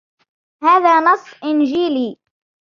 هذا نص إنجيلي.